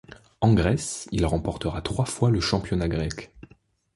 En Grèce, il remporta trois fois le championnat grec.